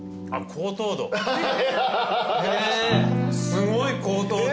すごい高糖度。